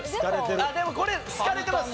でもこれ好かれてます。